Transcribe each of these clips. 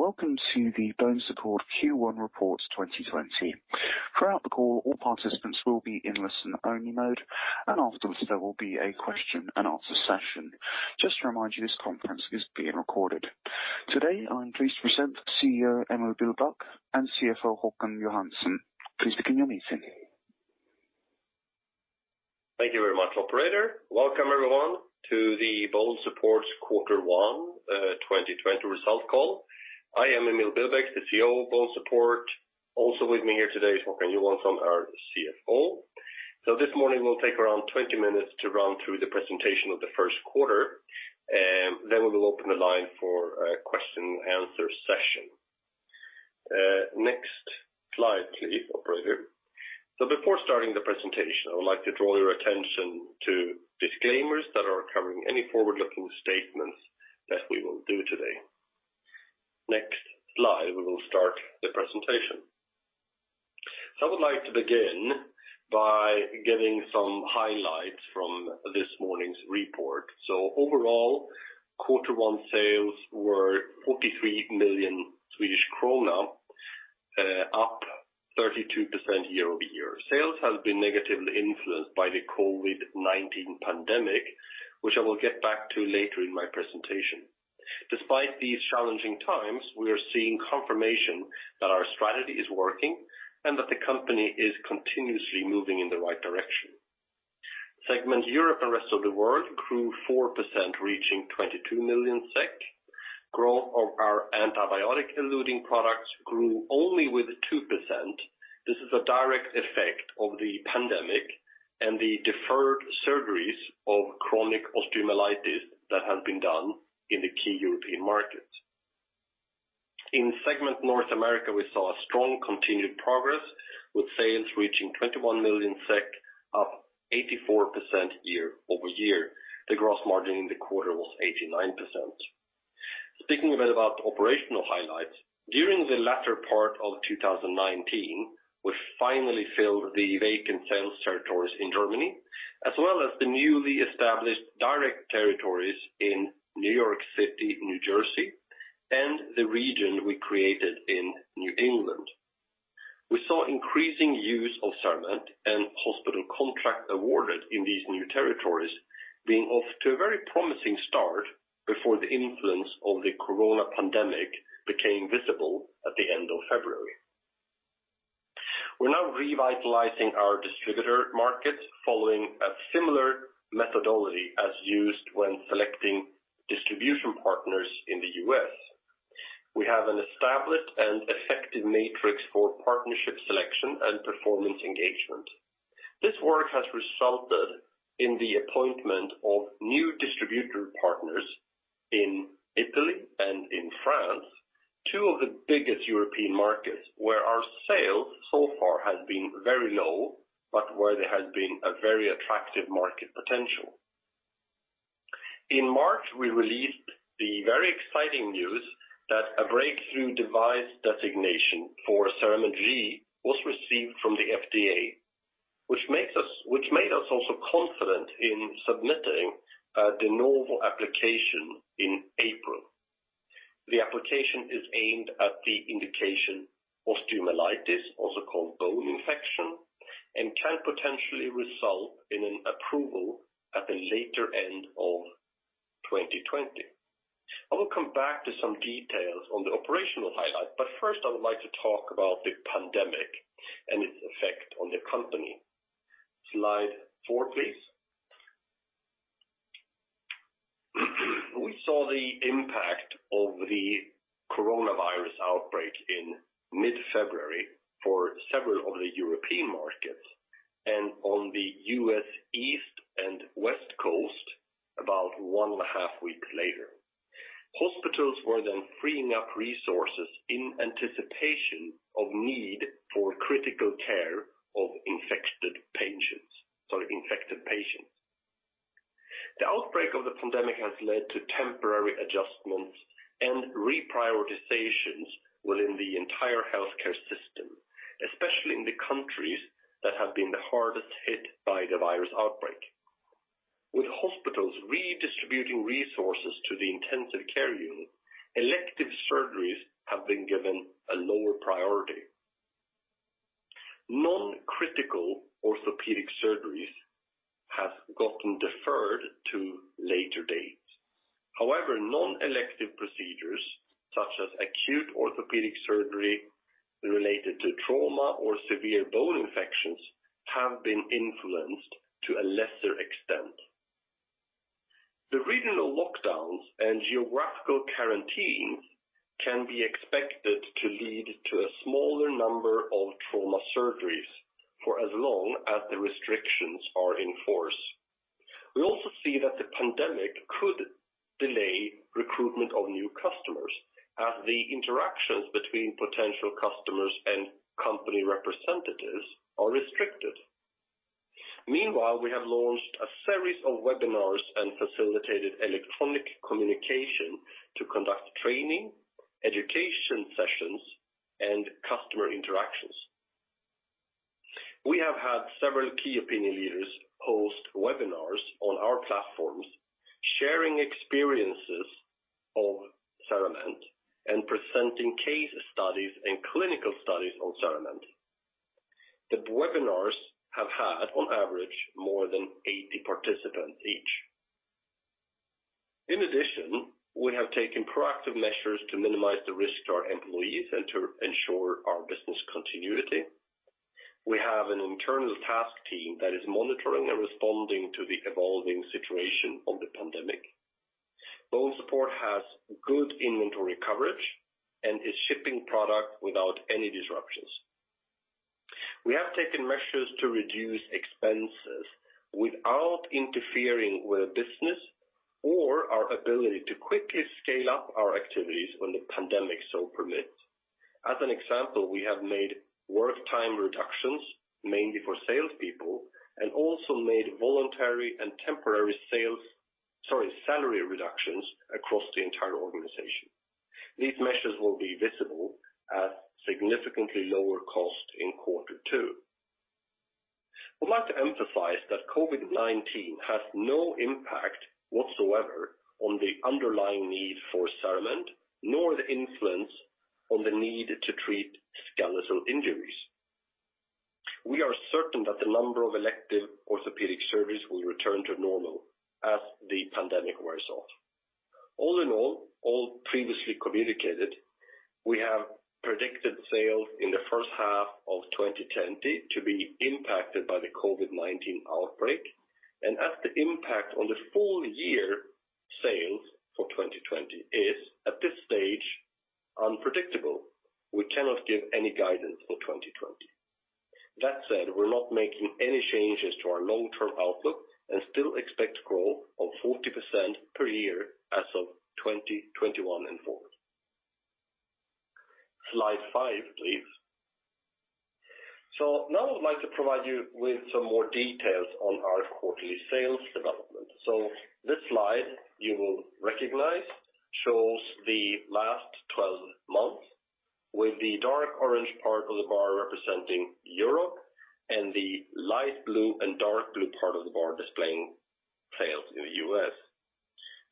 Welcome to the BONESUPPORT Q1 Report 2020. Throughout the call, all participants will be in listen-only mode, and afterwards, there will be a question and answer session. Just to remind you, this conference is being recorded. Today, I'm pleased to present CEO Emil Billbäck and CFO Håkan Johansson. Please begin your meeting. Thank you very much, Operator. Welcome, everyone, to the BONESUPPORT Quarter One 2020 Results Call. I am Emil Billbäck, the CEO of BONESUPPORT. Also with me here today is Håkan Johansson, our CFO. This morning, we'll take around 20 minutes to run through the presentation of the first quarter, and then we will open the line for a question-and-answer session. Next slide, please, Operator. Before starting the presentation, I would like to draw your attention to disclaimers that are covering any forward-looking statements that we will do today. Next slide, we will start the presentation. I would like to begin by giving some highlights from this morning's report. Overall, quarter one sales were 43 million Swedish krona, up 32% year-over-year. Sales has been negatively influenced by the COVID-19 pandemic, which I will get back to later in my presentation. Despite these challenging times, we are seeing confirmation that our strategy is working and that the company is continuously moving in the right direction. Segment Europe and Rest of the World grew 4%, reaching 22 million. Growth of our antibiotic-eluting products grew only with 2%. This is a direct effect of the pandemic and the deferred surgeries of chronic osteomyelitis that had been done in the key European markets. In segment North America, we saw strong continued progress with sales reaching 21 million SEK, up 84% year-over-year. The gross margin in the quarter was 89%. Speaking a bit about the operational highlights, during the latter part of 2019, we finally filled the vacant sales territories in Germany, as well as the newly established direct territories in New York City, New Jersey, and the region we created in New England. We saw increasing use of CERAMENT and hospital contract awarded in these new territories being off to a very promising start before the influence of the Corona pandemic became visible at the end of February. We're now revitalizing our distributor market following a similar methodology as used when selecting distribution partners in the U.S. We have an established and effective matrix for partnership selection and performance engagement. This work has resulted in the appointment of new distributor partners in Italy and in France, two of the biggest European markets where our sales so far has been very low, but where there has been a very attractive market potential. In March, we released the very exciting news that a Breakthrough Device designation for CERAMENT G was received from the FDA, which made us also confident in submitting the normal application in April. The application is aimed at the indication osteomyelitis, also called bone infection, and can potentially result in an approval at the later end of 2020. First, I would like to talk about the pandemic and its effect on the company. Slide four, please. We saw the impact of the coronavirus outbreak in mid-February for several of the European markets and on the U.S. East and West Coast, about 1.5 week later. Hospitals were freeing up resources in anticipation of need for critical care of infected patients. The outbreak of the pandemic has led to temporary adjustments and reprioritizations within the entire healthcare system, especially in the countries that have been the hardest hit by the virus outbreak. With hospitals redistributing resources to the intensive care unit, elective surgeries have been given a lower priority. Non-critical orthopedic surgeries have gotten deferred to later dates. Non-elective procedures such as acute orthopedic surgery related to trauma or severe bone infections have been influenced to a lesser extent. The regional lockdowns and geographical quarantines can be expected to lead to a smaller number of trauma surgeries for as long as the restrictions are in force. We also see that the pandemic could delay recruitment of new customers as the interactions between potential customers and company representatives are restricted. Meanwhile, we have launched a series of webinars and facilitated electronic communication to conduct training, education sessions, and customer interactions. We have had several key opinion leaders host webinars on our platforms, sharing experiences of CERAMENT and presenting case studies and clinical studies on CERAMENT. The webinars have had, on average, more than 80 participants each. In addition, we have taken proactive measures to minimize the risk to our employees and to ensure our business continuity. We have an internal task team that is monitoring and responding to the evolving situation of the pandemic. BONESUPPORT has good inventory coverage and is shipping product without any disruptions. We have taken measures to reduce expenses without interfering with business or our ability to quickly scale up our activities when the pandemic so permits. As an example, we have made work time reductions mainly for salespeople, and also made voluntary and temporary salary reductions across the entire organization. These measures will be visible at significantly lower cost in quarter two. I'd like to emphasize that COVID-19 has no impact whatsoever on the underlying need for CERAMENT, nor the influence on the need to treat skeletal injuries. We are certain that the number of elective orthopedic services will return to normal as the pandemic wears off. All in all previously communicated, we have predicted sales in the first half of 2020 to be impacted by the COVID-19 outbreak, and as the impact on the full year sales for 2020 is, at this stage, unpredictable, we cannot give any guidance for 2020. That said, we are not making any changes to our long-term outlook and still expect growth of 40% per year as of 2021 and forward. Slide five, please. Now I would like to provide you with some more details on our quarterly sales development. This slide you will recognize shows the last 12 months with the dark orange part of the bar representing Europe and the light blue and dark blue part of the bar displaying sales in the U.S.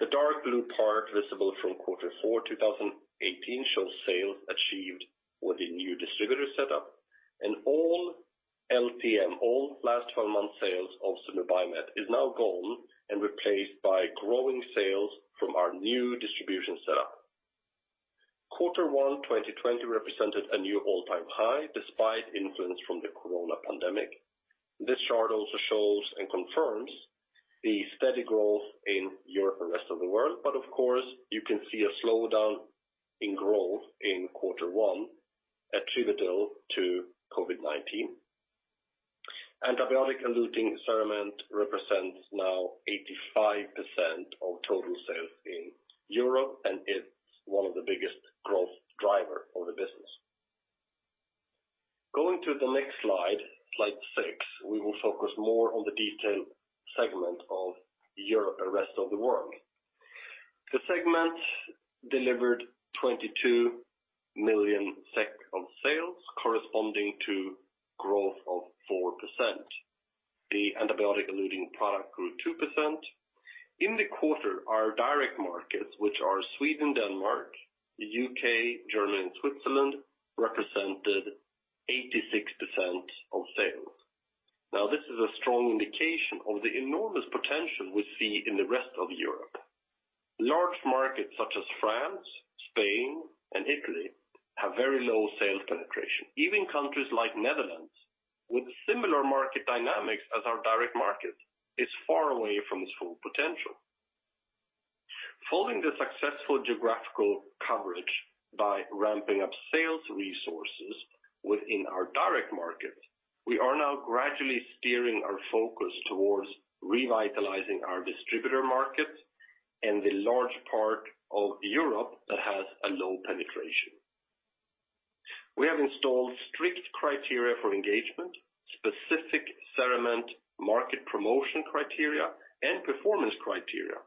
The dark blue part visible from quarter four 2018 shows sales achieved with the new distributor set up, and all LTM, all last 12 months sales of Zimmer Biomet is now gone and replaced by growing sales from our new distribution setup. Quarter one 2020 represented a new all-time high despite influence from the coronavirus pandemic. This chart also shows and confirms the steady growth in Europe and rest of the world. Of course, you can see a slowdown in growth in quarter one attributable to COVID-19. Antibiotic-eluting CERAMENT represents now 85% of total sales in Europe and is one of the biggest growth driver for the business. Going to the next slide six, we will focus more on the detailed segment of Europe and rest of the world. The segment delivered 22 million SEK of sales corresponding to growth of 4%. The antibiotic-eluting product grew 2%. In the quarter, our direct markets, which are Sweden, Denmark, the U.K., Germany, and Switzerland, represented 86% of sales. This is a strong indication of the enormous potential we see in the rest of Europe. Large markets such as France, Spain, and Italy have very low sales penetration. Even countries like Netherlands with similar market dynamics as our direct market is far away from its full potential. Following the successful geographical coverage by ramping up sales resources within our direct market, we are now gradually steering our focus towards revitalizing our distributor market and the large part of Europe that has a low penetration. We have installed strict criteria for engagement, specific CERAMENT market promotion criteria, and performance criteria.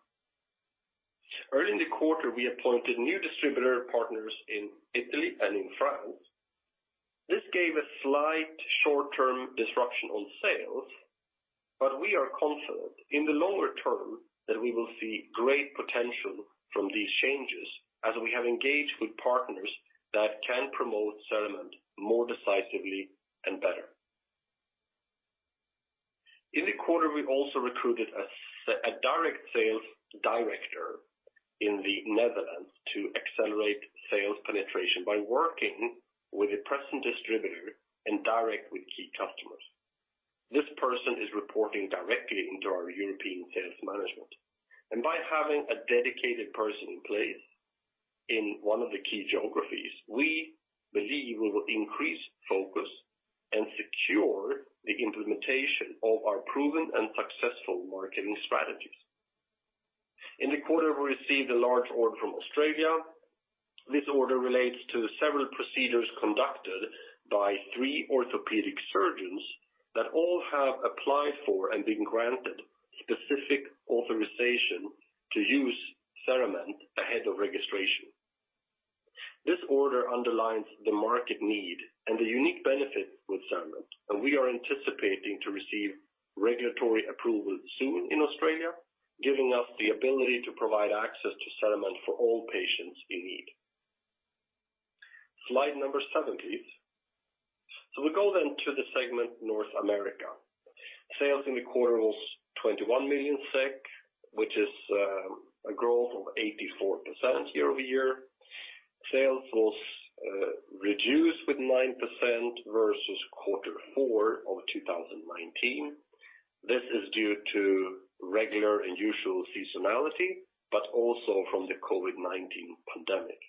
Early in the quarter, we appointed new distributor partners in Italy and in France. This gave a slight short-term disruption on sales, but we are confident in the longer term that we will see great potential from these changes as we have engaged with partners that can promote CERAMENT more decisively and better. In the quarter, we also recruited a direct sales director in the Netherlands to accelerate sales penetration by working with a present distributor and direct with key customers. This person is reporting directly into our European sales management. By having a dedicated person in place in one of the key geographies, we believe we will increase focus and secure the implementation of our proven and successful marketing strategies. In the quarter, we received a large order from Australia. This order relates to several procedures conducted by three orthopedic surgeons that all have applied for and been granted specific authorization to use CERAMENT ahead of registration. This order underlines the market need and the unique benefits with CERAMENT, we are anticipating to receive regulatory approval soon in Australia, giving us the ability to provide access to CERAMENT for all patients in need. Slide number seven, please. We go to the segment North America. Sales in the quarter was 21 million SEK, which is a growth of 84% year-over-year. Sales was reduced with 9% versus quarter four of 2019. This is due to regular and usual seasonality, but also from the COVID-19 pandemic.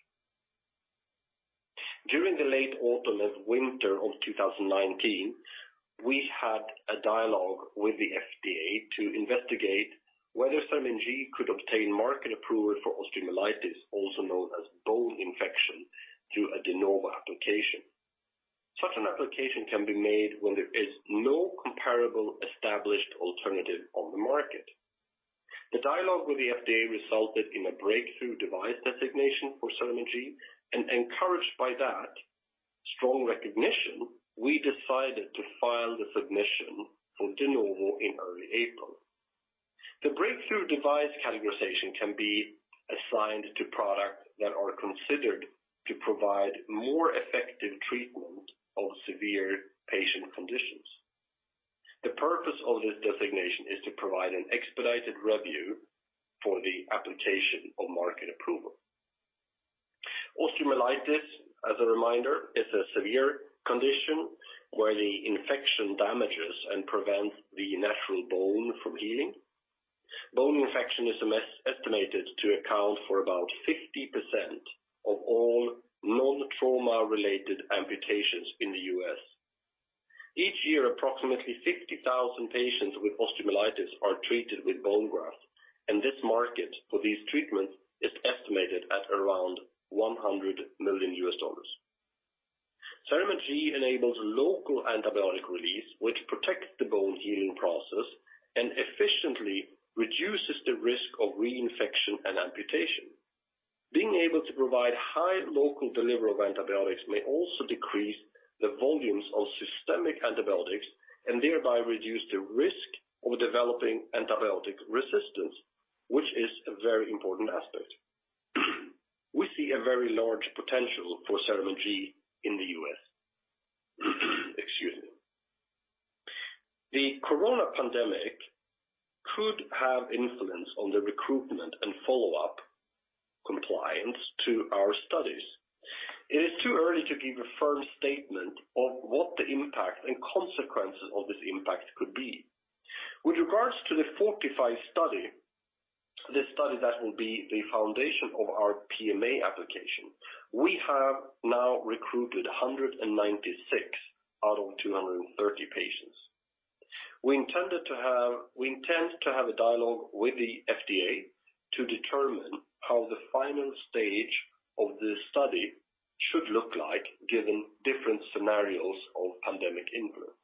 During the late autumn and winter of 2019, we had a dialogue with the FDA to investigate whether CERAMENT G could obtain market approval for osteomyelitis, also known as bone infection, through a de novo application. Such an application can be made when there is no comparable established alternative on the market. The dialogue with the FDA resulted in a Breakthrough Device designation for CERAMENT G, and encouraged by that strong recognition, we decided to file the submission for de novo in early April. The Breakthrough Device categorization can be assigned to products that are considered to provide more effective treatment of severe patient conditions. The purpose of this designation is to provide an expedited review for the application of market approval. Osteomyelitis, as a reminder, is a severe condition where the infection damages and prevents the natural bone from healing. Bone infection is estimated to account for about 50% of all non-trauma-related amputations in the U.S. Each year, approximately 50,000 patients with osteomyelitis are treated with bone grafts, and this market for these treatments is estimated at around $100 million. CERAMENT G enables local antibiotic release, which protects the bone-healing process and efficiently reduces the risk of reinfection and amputation. Being able to provide high local delivery of antibiotics may also decrease the volumes of systemic antibiotics and thereby reduce the risk of developing antibiotic resistance, which is a very important aspect. We see a very large potential for CERAMENT G in the U.S. Excuse me. The COVID-19 pandemic could have influence on the recruitment and follow-up compliance to our studies. It is too early to give a firm statement of what the impact and consequences of this impact could be. With regards to the FORTIFY study, the study that will be the foundation of our PMA application, we have now recruited 196 out of 230 patients. We intend to have a dialogue with the FDA to determine how the final stage of this study should look like given different scenarios of pandemic influence.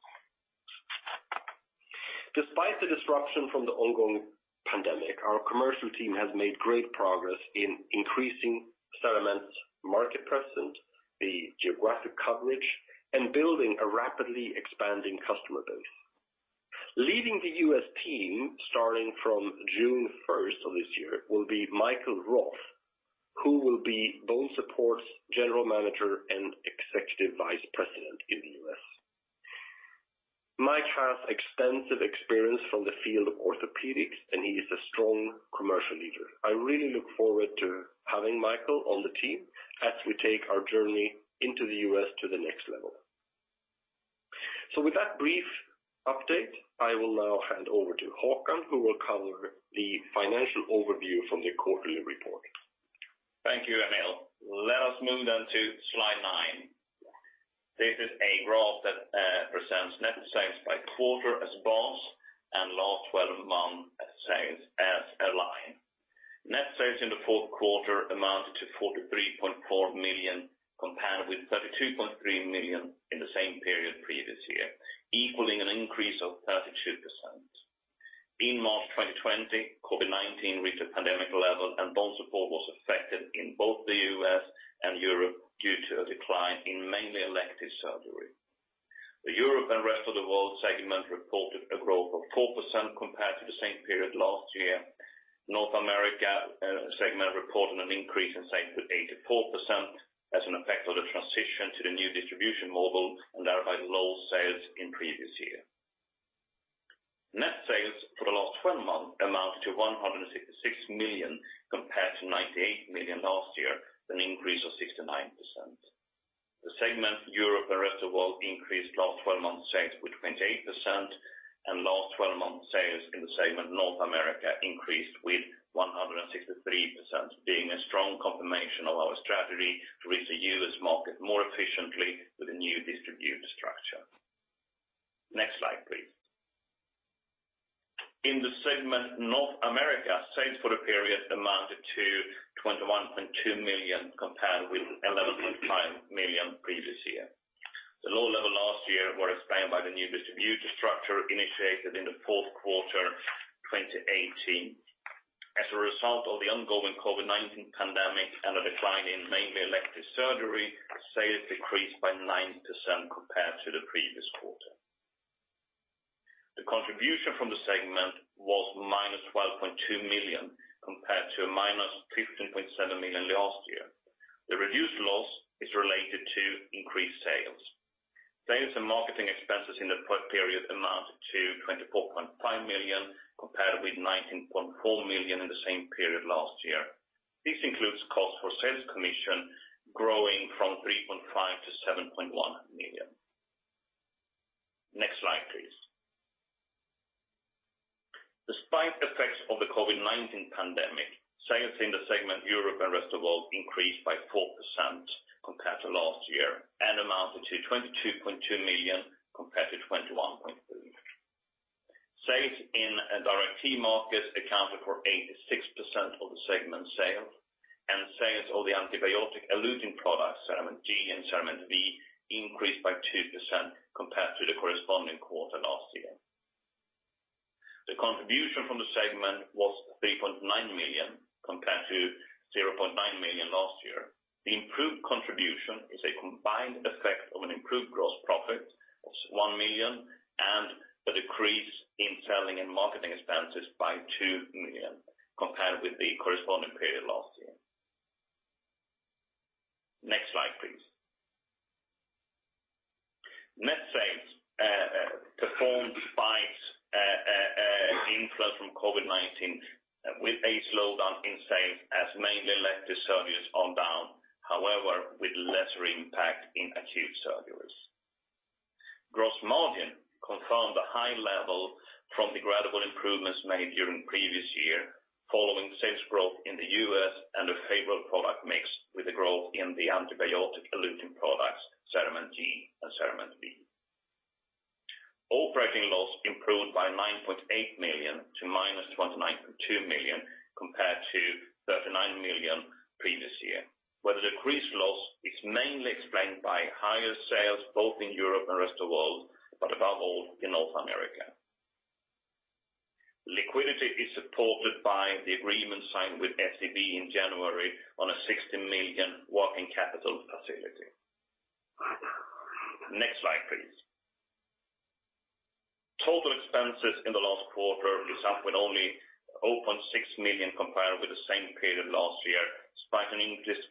Despite the disruption from the ongoing pandemic, our commercial team has made great progress in increasing CERAMENT's market presence, the geographic coverage, and building a rapidly expanding customer base. Leading the U.S. team, starting from June 1st of this year, will be Michael Roth, who will be BONESUPPORT's General Manager and Executive Vice President in the U.S. Mike has extensive experience from the field of orthopedics, and he is a strong commercial leader. I really look forward to having Michael on the team as we take our journey into the U.S. to the next level. With that brief update, I will now hand over to Håkan, who will cover the financial overview from the quarterly report. Thank you, Emil. Let us move down to slide nine. This is a graph that presents net sales by quarter as bars and last 12-month sales as a line. Net sales in the fourth quarter amounted to 43.4 million, compared with 32.3 million in the same period previous year, equaling an increase of 32%. In March 2020, COVID-19 reached a pandemic level, and BONESUPPORT was affected in both the U.S. and Europe due to a decline in mainly elective surgery. The Europe and Rest of the World segment reported a growth of 4% compared to the same period last year. North America segment reported an increase in sales with 84% as an effect of the transition to the new distribution model and thereby low sales in previous year. Net sales for the last 12 months amounted to 166 million, compared to 98 million last year, an increase of 69%. The segment Europe and Rest of the World increased last 12-month sales with 28%, and last 12-month sales in the segment North America increased with 163%, being a strong confirmation of our strategy to reach the U.S. market more efficiently with a new distributor structure. Next slide, please. In the segment North America, sales for the period amounted to 21.2 million, compared with 11.4 million the previous year. The low level last year was explained by the new distributor structure initiated in the fourth quarter 2018. As a result of the ongoing COVID-19 pandemic and a decline in mainly elective surgery, sales decreased by 9% compared to the previous quarter. The contribution from the segment was -12.2 million, compared to -15.7 million last year. The reduced loss is related to increased sales. Sales and marketing expenses in the period amounted to 24.5 million, compared with 19.4 million in the same period last year. This includes cost for sales commission growing from 3.5 million-7.1 million. Next slide, please. Despite effects of the COVID-19 pandemic, sales in the segment Europe and Rest of World increased by 4% compared to last year and amounted to 22.2 million compared to 21.3 million. Sales in direct key markets accounted for 86% of the segment sale, and sales of the antibiotic-eluting products, CERAMENT G and CERAMENT V, increased by 2% compared to the corresponding quarter last year. The contribution from the segment was 3.9 million, compared to 0.9 million last year. The improved contribution is a combined effect of an improved gross profit of 1 million and a decrease in selling and marketing expenses by 2 million compared with the corresponding period last year. Next slide, please. Net sales performed despite influence from COVID-19, with a slowdown in sales as mainly elective surgeries are down. With lesser impact in acute surgeries. Gross margin confirmed a high level from the gradual improvements made during previous year, following sales growth in the U.S. and a favorable product mix with a growth in the antibiotic-eluting products, CERAMENT G and CERAMENT V. Operating loss improved by 9.8 million to -29.2 million, compared to 39 million previous year, where the decreased loss is mainly explained by higher sales both in Europe and rest of world, but above all, in North America. Liquidity is supported by the agreement signed with SEB in January on a 60 million working capital facility. Next slide, please. Total expenses in the last quarter is up with only 0.6 million compared with the same period last year, despite an increase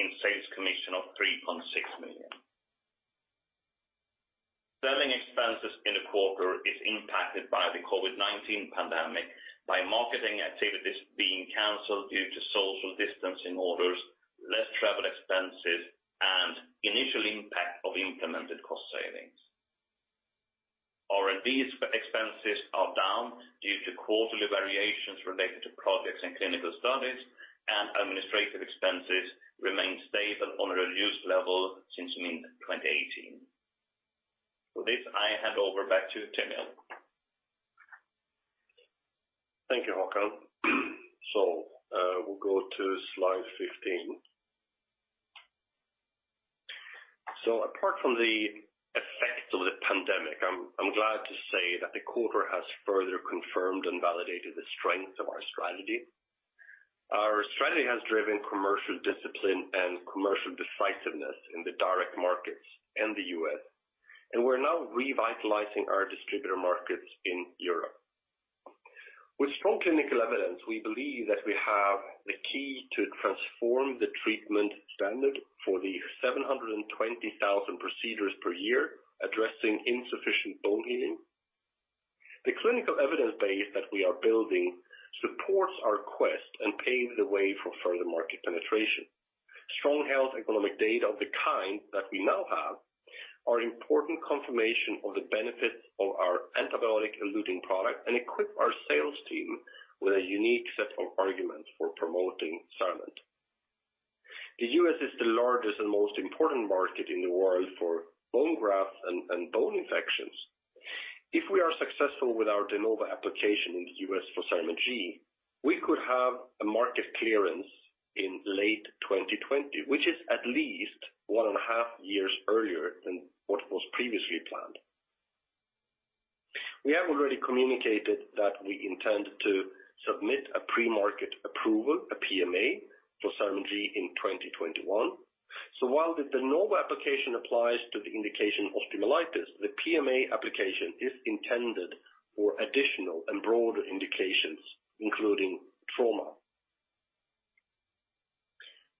in sales commission of 3.6 million. Selling expenses in the quarter is impacted by the COVID-19 pandemic by marketing activities being canceled due to social distancing orders, less travel expenses, and initial impact of implemented cost savings. R&D expenses are down due to quarterly variations related to projects and clinical studies, and administrative expenses remain stable on a reduced level since mid-2018. With this, I hand over back to Emil. Thank you, Håkan. We'll go to slide 15. Apart from the effects of the pandemic, I'm glad to say that the quarter has further confirmed and validated the strength of our strategy. Our strategy has driven commercial discipline and commercial decisiveness in the direct markets and the U.S., and we're now revitalizing our distributor markets in Europe. With strong clinical evidence, we believe that we have the key to transform the treatment standard for the 720,000 procedures per year addressing insufficient bone healing. The clinical evidence base that we are building supports our quest and paves the way for further market penetration. Strong health economic data of the kind that we now have are important confirmation of the benefits of our antibiotic-eluting product and equip our sales team with a unique set of arguments for promoting CERAMENT. The U.S. is the largest and most important market in the world for bone grafts and bone infections. If we are successful with our de novo application in the U.S. for CERAMENT G, we could have a market clearance in late 2020, which is at least 1.5 years earlier than what was previously planned. We have already communicated that we intend to submit a pre-market approval, a PMA, for CERAMENT G in 2021. While the de novo application applies to the indication osteomyelitis, the PMA application is intended for additional and broader indications, including trauma.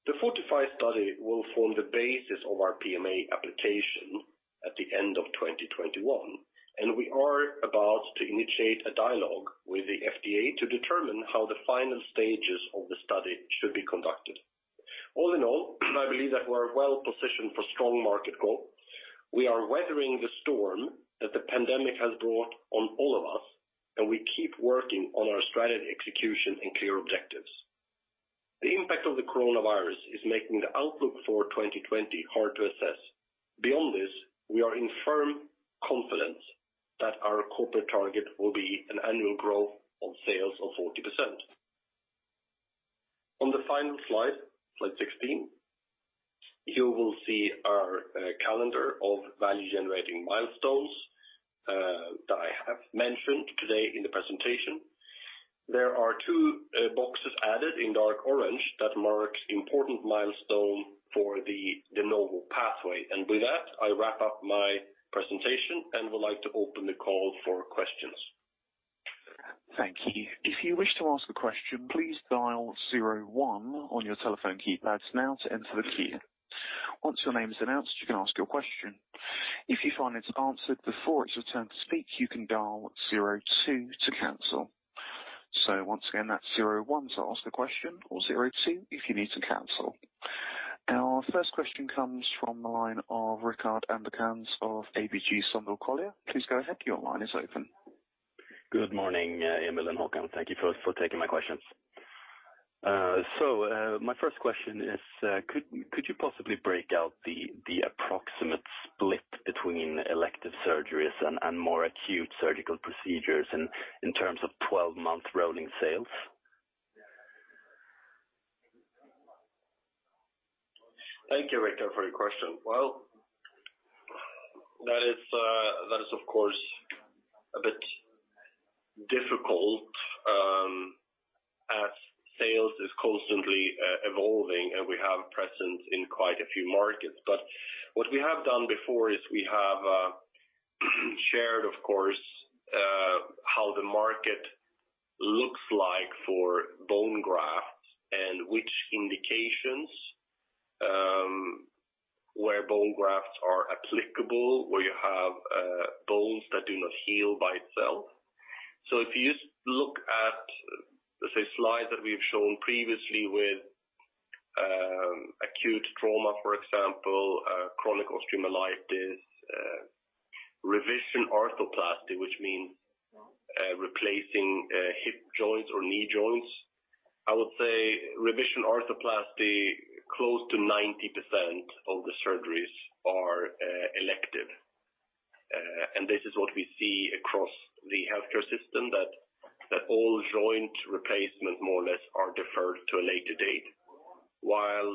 The FORTIFY study will form the basis of our PMA application at the end of 2021, and we are about to initiate a dialogue with the FDA to determine how the final stages of the study should be conducted. All in all, I believe that we're well-positioned for strong market growth. We are weathering the storm that the pandemic has brought on all of us, and we keep working on our strategy execution and clear objectives. The impact of the coronavirus is making the outlook for 2020 hard to assess. Beyond this, we are in firm confidence that our corporate target will be an annual growth on sales of 40%. On the final slide, slide 16, you will see our calendar of value-generating milestones that I have mentioned today in the presentation. There are two boxes added in dark orange that marks important milestone for the novel pathway. With that, I wrap up my presentation and would like to open the call for questions. Thank you. If you wish to ask a question, please dial zero one on your telephone keypads now to enter the queue. Once your name is announced, you can ask your question. If you find it's answered before it's your turn to speak, you can dial zero two to cancel. Once again, that's zero one to ask the question or zero two if you need to cancel. Our first question comes from the line of Rickard Anderkrans of ABG Sundal Collier. Please go ahead. Your line is open. Good morning, Emil and Håkan. Thank you for taking my questions. My first question is, could you possibly break out the approximate split between elective surgeries and more acute surgical procedures in terms of 12-month rolling sales? Thank you, Rickard, for your question. Well, that is of course a bit difficult as sales is constantly evolving, and we have a presence in quite a few markets. What we have done before is we have shared, of course, how the market looks like for bone grafts and which indications where bone grafts are applicable, where you have bones that do not heal by itself. If you look at, let's say, slide that we've shown previously with acute trauma, for example, chronic osteomyelitis, revision arthroplasty, which means replacing hip joints or knee joints. I would say revision arthroplasty, close to 90% of the surgeries are elective. This is what we see across the healthcare system, that all joint replacements more or less are deferred to a later date, while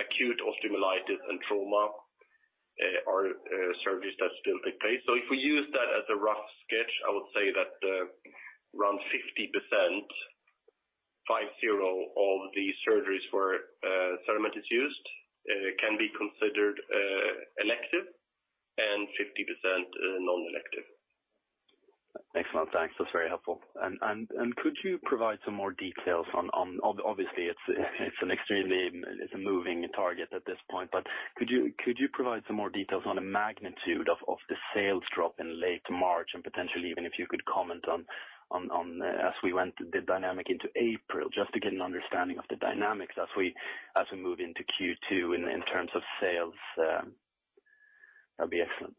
acute osteomyelitis and trauma are surgeries that still take place. If we use that as a rough sketch, I would say that around 50%, five zero, of the surgeries where CERAMENT is used can be considered elective and 50% non-elective. Excellent. Thanks. That's very helpful. Could you provide some more details, obviously, it's an extremely moving target at this point, but could you provide some more details on the magnitude of the sales drop in late March and potentially even if you could comment on as we went the dynamic into April, just to get an understanding of the dynamics as we move into Q2 in terms of sales? That'd be excellent.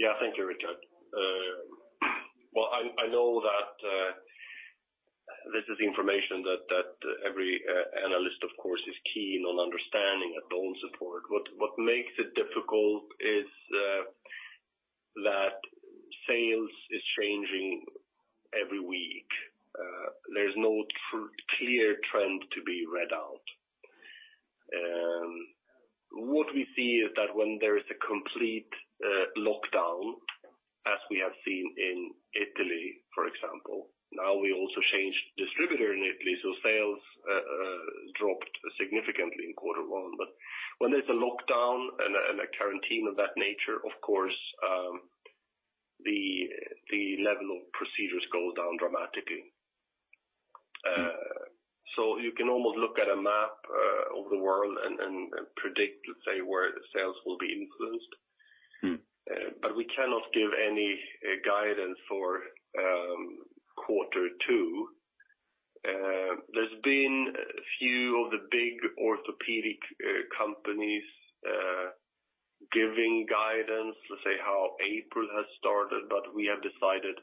Yeah. Thank you, Rickard. Well, I know that this is information that every analyst, of course, is keen on understanding at BONESUPPORT. What makes it difficult is that sales is changing every week. There's no clear trend to be read out. What we see is that when there is a complete lockdown, as we have seen in Italy, for example, now we also changed distributor in Italy, so sales dropped significantly in quarter one. When there's a lockdown and a quarantine of that nature, of course, the level of procedures goes down dramatically. You can almost look at a map of the world and predict, let's say, where the sales will be influenced. We cannot give any guidance for quarter two. There's been a few of the big orthopedic companies giving guidance to say how April has started, but we have decided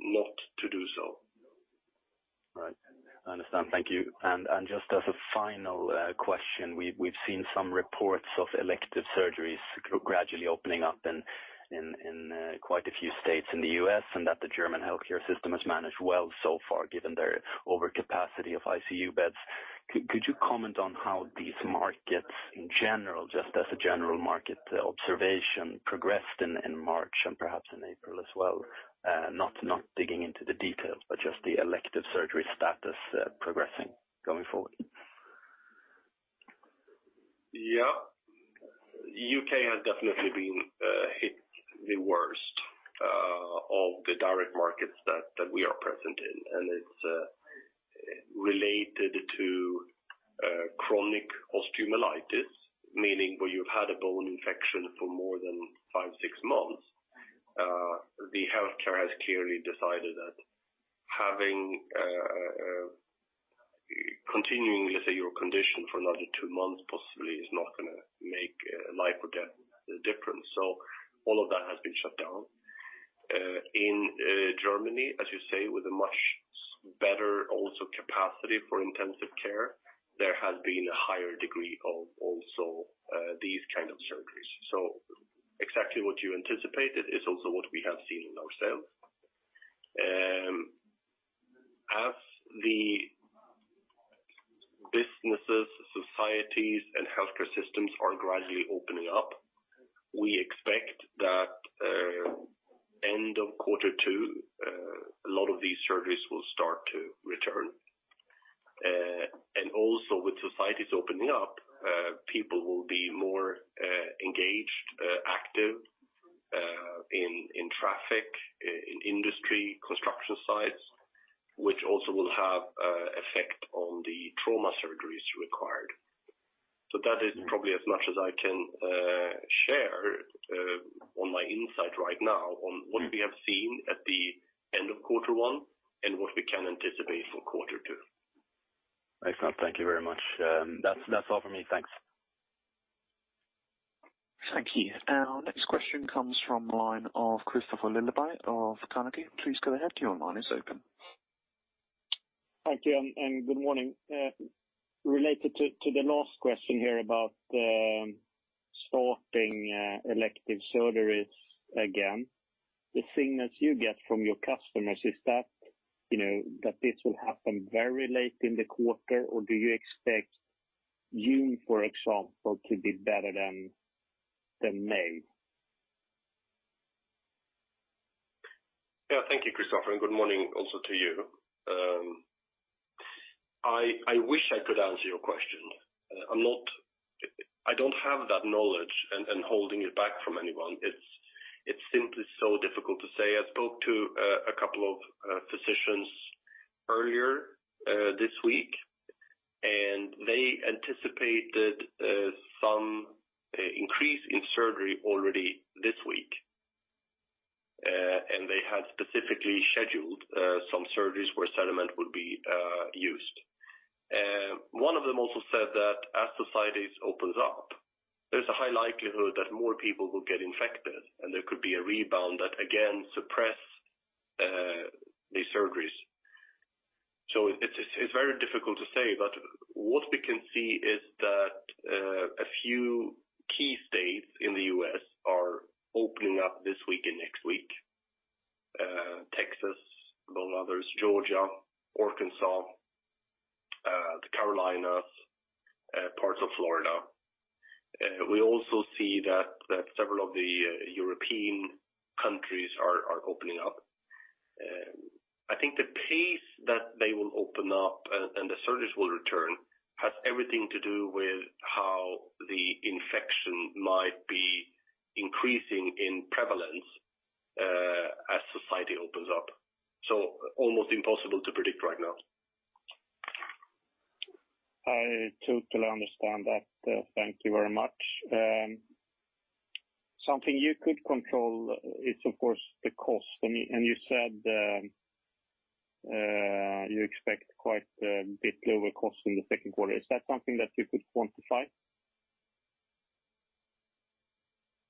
not to do so. Right. I understand. Thank you. Just as a final question, we've seen some reports of elective surgeries gradually opening up in quite a few states in the U.S., and that the German healthcare system has managed well so far, given their overcapacity of ICU beds. Could you comment on how these markets in general, just as a general market observation, progressed in March and perhaps in April as well? Not digging into the details, but just the elective surgery status progressing going forward. Yeah. U.K. has definitely been hit the worst of the direct markets that we are present in, and it's related to chronic osteomyelitis, meaning where you've had a bone infection for more than five, six months. The healthcare has clearly decided that continuing, let's say, your condition for another two months possibly is not going to make life or death difference. All of that has been shut down. In Germany, as you say, with a much better also capacity for intensive care. There has been a higher degree of also these kind of surgeries. Exactly what you anticipated is also what we have seen in ourselves. As the businesses, societies, and healthcare systems are gradually opening up, we expect that end of quarter two, a lot of these surgeries will start to return. Also with societies opening up, people will be more engaged, active in traffic, in industry, construction sites, which also will have effect on the trauma surgeries required. That is probably as much as I can share on my insight right now on what we have seen at the end of quarter one and what we can anticipate for quarter two. Excellent. Thank you very much. That's all from me. Thanks. Thank you. Our next question comes from the line of Kristofer Liljeberg of Carnegie. Please go ahead. Your line is open. Thank you. Good morning. Related to the last question here about the starting elective surgeries again, the signals you get from your customers, is that this will happen very late in the quarter, or do you expect June, for example, to be better than May? Yeah. Thank you, Kristofer, and good morning also to you. I wish I could answer your question. I don't have that knowledge and holding it back from anyone. It's simply so difficult to say. I spoke to a couple of physicians earlier this week. They anticipated some increase in surgery already this week. They had specifically scheduled some surgeries where CERAMENT would be used. One of them also said that as societies opens up, there's a high likelihood that more people will get infected. There could be a rebound that again suppress these surgeries. It's very difficult to say. What we can see is that a few key states in the U.S. are opening up this week and next week. Texas, among others, Georgia, Arkansas, the Carolinas, parts of Florida. We also see that several of the European countries are opening up. I think the pace that they will open up and the surgeries will return has everything to do with how the infection might be increasing in prevalence as society opens up. Almost impossible to predict right now. I totally understand that. Thank you very much. Something you could control is, of course, the cost. You said you expect quite a bit lower cost in the second quarter. Is that something that you could quantify?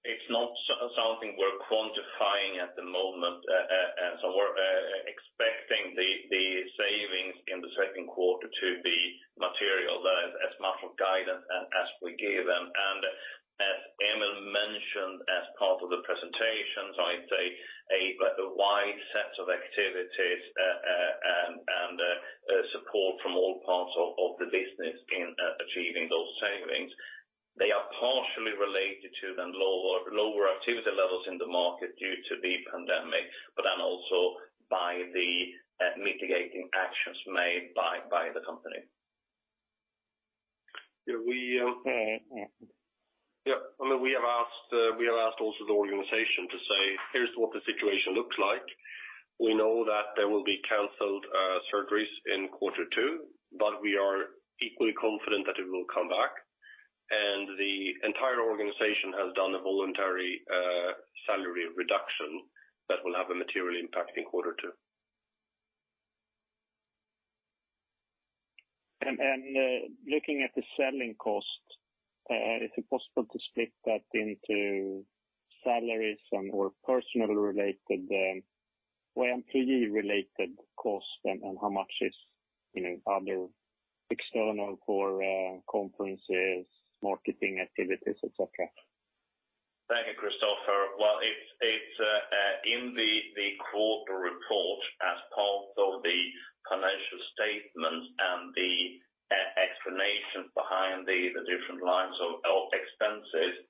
It's not something we're quantifying at the moment. We're expecting the savings in the second quarter to be material, as much of guidance as we give. As Emil mentioned as part of the presentations, I'd say a wide set of activities and support from all parts of the business in achieving those savings. They are partially related to the lower activity levels in the market due to the pandemic, but then also by the mitigating actions made by the company. Yeah. We have asked also the organization to say, "Here's what the situation looks like. We know that there will be canceled surgeries in quarter two, but we are equally confident that it will come back." The entire organization has done a voluntary salary reduction that will have a material impact in quarter two. Looking at the selling cost, is it possible to split that into salaries and/or personnel related, or employee related costs and how much is other external for conferences, marketing activities, et cetera? Thank you, Kristofer. Well, it's in the quarter report as part of the financial statement and the explanation behind the different lines of expenses,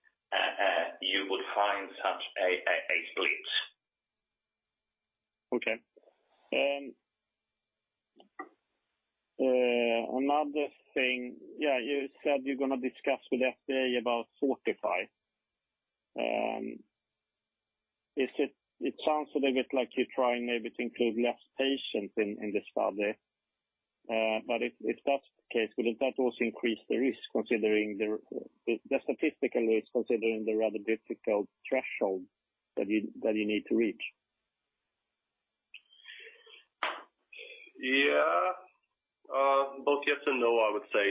you would find such a split. Okay. Another thing, you said you're going to discuss with FDA about FORTIFY. It sounds a little bit like you're trying maybe to include less patients in this study. If that's the case, would that also increase the risk considering the statistically rather difficult threshold that you need to reach? Both yes and no, I would say.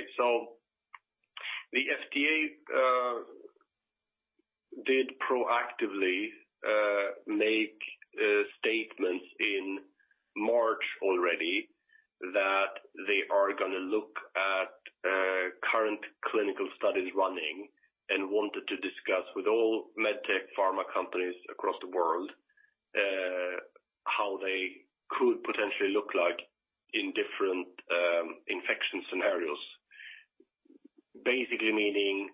The FDA proactively made statements in March already that they are going to look at current clinical studies running and wanted to discuss with all medtech pharma companies across the world how they could potentially look like in different infection scenarios. Basically meaning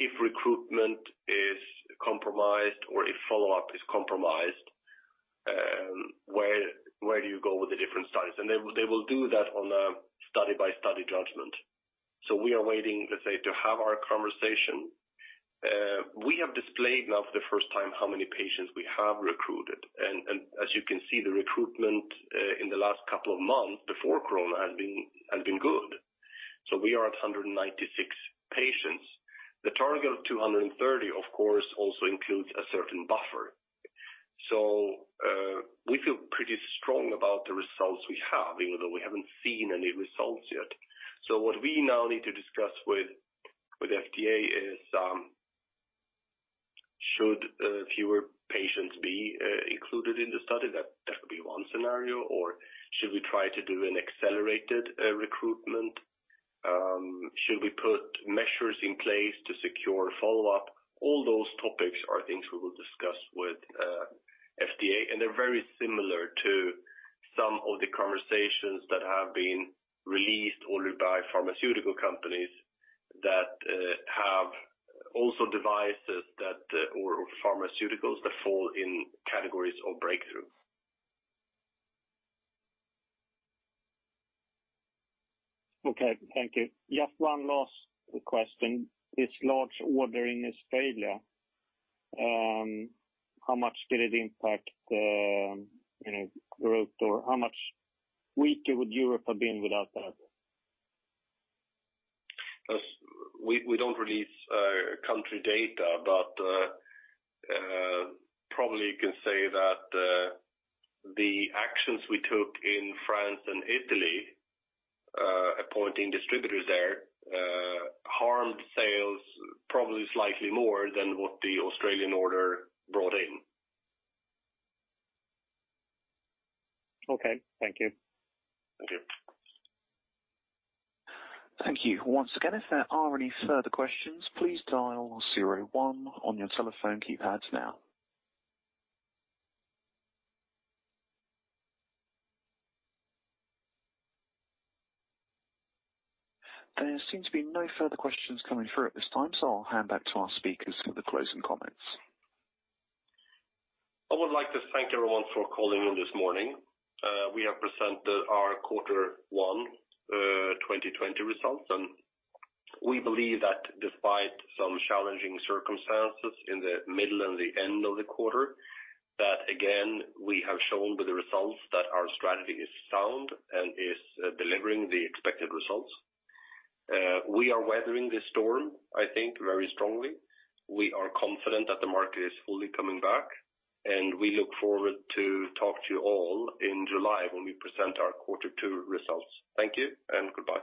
if recruitment is compromised or if follow-up is compromised, where do you go with the different studies? They will do that on a study-by-study judgment. We are waiting, let's say, to have our conversation. We have displayed now for the first time how many patients we have recruited. As you can see, the recruitment in the last couple of months before corona has been good. We are at 196 patients. The target of 230, of course, also includes a certain buffer. We feel pretty strong about the results we have, even though we haven't seen any results yet. What we now need to discuss with FDA is, should fewer patients be included in the study? That could be one scenario. Should we try to do an accelerated recruitment? Should we put measures in place to secure follow-up? All those topics are things we will discuss with FDA, and they're very similar to some of the conversations that have been released only by pharmaceutical companies that have also devices or pharmaceuticals that fall in categories of breakthrough. Okay. Thank you. Just one last question. This large order in Australia, how much did it impact the growth or how much weaker would Europe have been without that? We don't release country data, but probably you can say that the actions we took in France and Italy, appointing distributors there, harmed sales probably slightly more than what the Australian order brought in. Okay. Thank you. Thank you. Thank you. Once again, if there are any further questions, please dial zero one on your telephone keypads now. There seem to be no further questions coming through at this time. I'll hand back to our speakers for the closing comments. I would like to thank everyone for calling in this morning. We have presented our quarter one 2020 results. We believe that despite some challenging circumstances in the middle and the end of the quarter, that again, we have shown with the results that our strategy is sound and is delivering the expected results. We are weathering this storm, I think, very strongly. We are confident that the market is fully coming back. We look forward to talk to you all in July when we present our quarter two results. Thank you and goodbye.